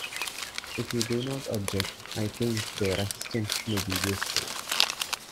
If you do not object I think their assistance may be useful.